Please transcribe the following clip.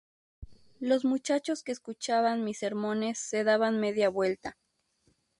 Los muchachos que escuchaban mis sermones se daban media vuelta.